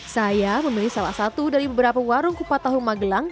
saya memilih salah satu dari beberapa warung kupat tahu magelang